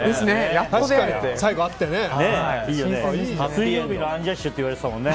水曜日のアンジャッシュって言われてたもんね。